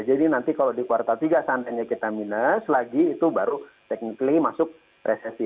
jadi nanti kalau di kuartal tiga saatnya kita minus lagi itu baru technically masuk resesi